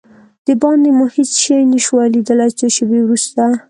دباندې مو هېڅ شی نه شوای لیدلای، څو شېبې وروسته.